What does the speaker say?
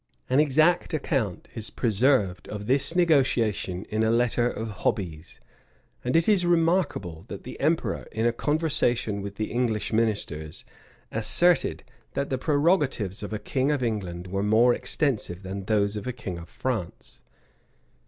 An exact account is preserved of this negotiation in a letter of Hobby's; and it is remarkable, that the emperor, in a conversation with the English ministers, asserted, that the prerogatives of a king of England were more extensive than those of a king of France.